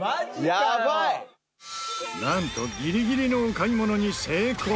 なんとギリギリのお買い物に成功。